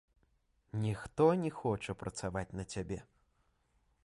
Ніхто не хоча працаваць на цябе.